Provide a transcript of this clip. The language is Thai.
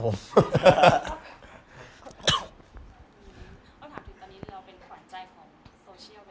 ถามถึงตอนนี้เราเป็นหวังใจของโตเชียลไปแล้วครับ